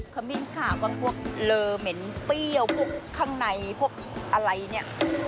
ขมิ้นขาวบางพวกเลอเหม็นเปรี้ยวพวกข้างในพวกอะไรเนี่ย